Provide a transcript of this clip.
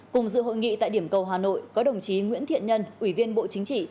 cùng dự hội nghị tại điểm cầu hà nội có đồng chí nguyễn thiện nhân ủy viên bộ chính trị